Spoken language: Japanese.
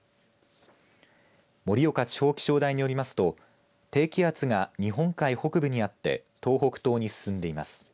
盛岡地方気象台によりますと低気圧が日本海北部にあって東北東に進んでいます。